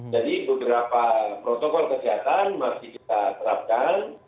jadi beberapa protokol kesehatan masih kita terapkan